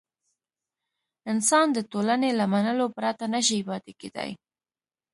انسان د ټولنې له منلو پرته نه شي پاتې کېدای.